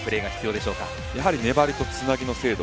やはり粘りとつなぎの精度